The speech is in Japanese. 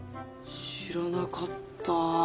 知らなかった。